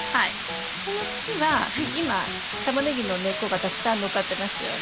その土は今タマネギの根っこがたくさん載っかってますよね。